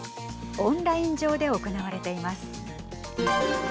オンライン上で行われています。